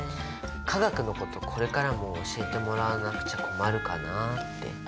化学のことこれからも教えてもらわなくちゃ困るかなって。